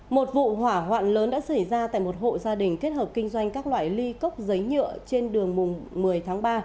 một vụ hỏa hoạn lớn đã xảy ra tại một hộ gia đình kết hợp kinh doanh các loại ly cốc giấy nhựa trên đường mùng một mươi tháng ba